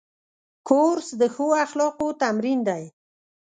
کورس د ښو اخلاقو تمرین دی.